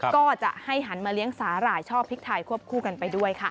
ก็จะให้หันมาเลี้ยงสาหร่ายช่อพริกไทยควบคู่กันไปด้วยค่ะ